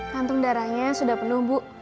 kantung darahnya sudah penuh bu